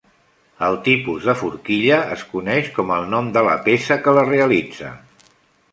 El tipus de forquilla es coneix com el nom de la peça que la realitza.